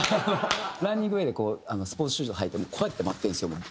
ランニングウェアでスポーツシューズを履いてこうやって待ってるんですよ